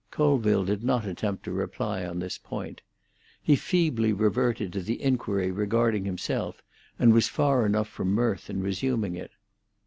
Colville did not attempt to reply on this point. He feebly reverted to the inquiry regarding himself, and was far enough from mirth in resuming it.